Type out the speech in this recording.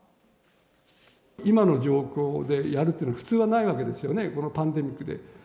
今の状況でやるっていうのは、普通はないわけですよね、このパンデミックで。